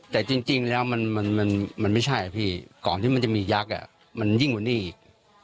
แต่จริงแล้วมันไม่ใช่พี่ก่อนที่มันจะมียักษ์มันยิ่งกว่านี้อีก